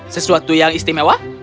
sesuatu yang istimewa